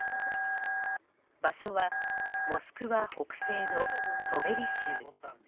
場所はモスクワ北西のトベリ州。